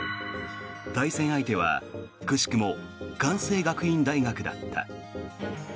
対戦相手はくしくも関西学院大学だった。